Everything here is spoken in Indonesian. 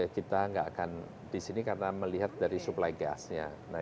kita nggak akan di sini karena melihat dari suplai gasnya